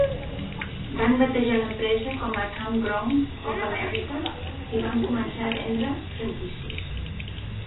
Van batejar l'empresa com a Kampgrounds of America i van començar a vendre franquícies.